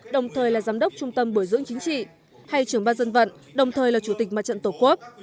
đồng thời là giám đốc trung tâm bồi dưỡng chính trị hay trưởng ban dân vận đồng thời là chủ tịch mặt trận tổ quốc